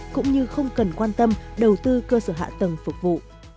cũng như không cần quan tâm đầu tư cơ sở hạ tầng phục vụ